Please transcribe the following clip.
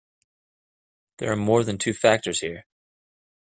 There are more than two factors here.